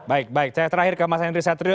baik baik saya terakhir ke mas henry satrio